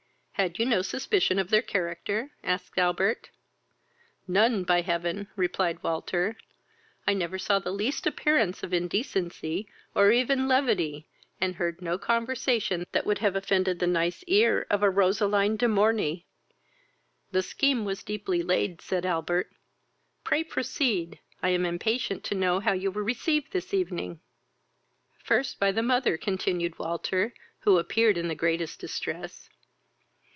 "Had you no suspicion of their character?" asked Albert. "None, by heaven! (replied Walter.) I never saw the least appearance of indecency, or even levity, and heard no conversation that would have offended the nice ear of a Roseline de Morney." "The scheme was deeply laid, (said Albert.) Pray proceed; I am impatient to know how you were received this evening." "First by the mother, (continued Walter, who appeared in the greatest distress.